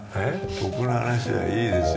僕の話はいいですよ